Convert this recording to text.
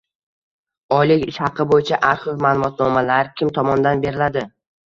Oylik ish haqi bo‘yicha arxiv ma’lumotnomalar kim tomonidan beriladi?